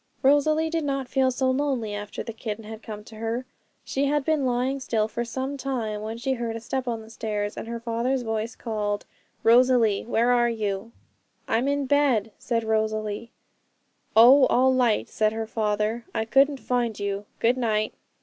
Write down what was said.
Rosalie did not feel so lonely after the kitten had come to her. She had been lying still for some time, when she heard a step on the stairs, and her father's voice called 'Rosalie, where are you?' 'I'm in bed,' said little Rosalie. 'Oh, all light!' said her father. 'I couldn't find you. Good night.'